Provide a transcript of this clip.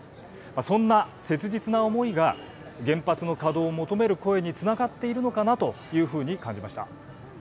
そんな切実な思いが原発の稼働を求める声につながっているのかなというふうに感じました。